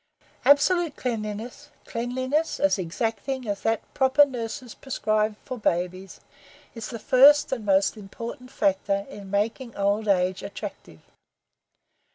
Absolute cleanliness, cleanliness as exacting as that proper nurses prescribe for babies, is the first and most important factor in making old age attractive.